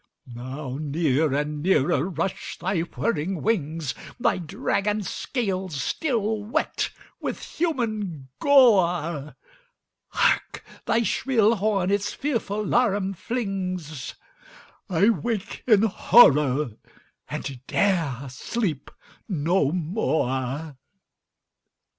Now near and nearer rush thy whirring wings, Thy dragon scales still wet with human gore. Hark, thy shrill horn its fearful laram flings! —I wake in horror, and 'dare sleep no more!